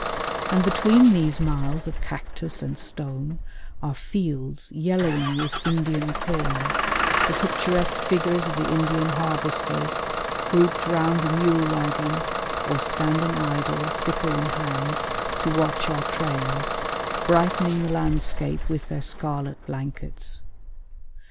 And between these miles of cactus and stone are fields yellowing with Indian corn, the picturesque figures of the Indian harvesters, grouped round a mule waggon or standing idle, sickle in hand, to watch our train, brightening the landscape with their scarlet blankets.